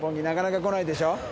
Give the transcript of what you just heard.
なかなか来ないでしょ。